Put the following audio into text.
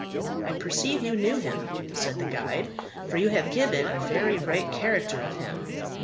"I perceive you knew him," said the guide, "for you have given a very right character of him."